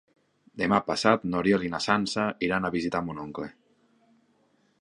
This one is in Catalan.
Demà passat n'Oriol i na Sança iran a visitar mon oncle.